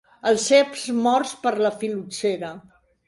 Els ceps morts per la fil·loxera.